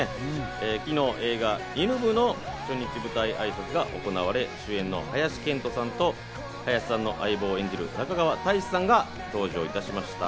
昨日、映画『犬部！』の初日舞台挨拶が行われ、主演の林遣都さんと林さんの相棒を演じる中川大志さんが登場しました。